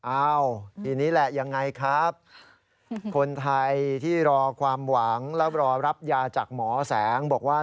อ้าวทีนี้แหละยังไงครับคนไทยที่รอความหวังแล้วรอรับยาจากหมอแสงบอกว่า